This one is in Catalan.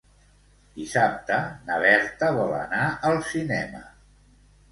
Dissabte na Berta vol anar al cinema.